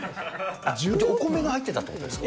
お米が入ってたってことですか？